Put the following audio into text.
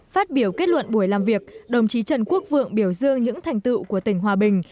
phát biểu kết luận buổi làm việc đồng chí trần quốc vượng biểu dương những thành tựu của tỉnh hòa bình